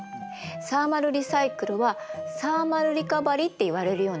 サーマルリサイクルはサーマルリカバリーっていわれるようになってきたの。